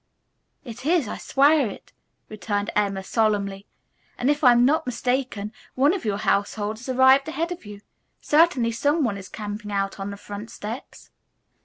"It is, I swear it," returned Emma solemnly, "and, if I'm not mistaken, one of your household has arrived ahead of you. Certainly some one is camping out on the front steps."